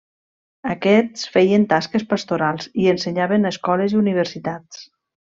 Aquests feien tasques pastorals i ensenyaven a escoles i universitats.